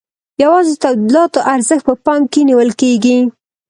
یوازې د تولیداتو ارزښت په پام کې نیول کیږي.